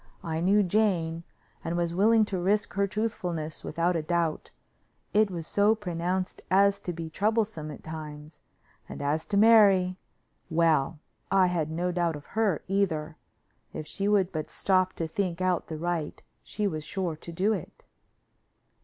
I knew Jane and was willing to risk her truthfulness without a doubt it was so pronounced as to be troublesome at times and as to Mary well, I had no doubt of her, either. If she would but stop to think out the right she was sure to do it.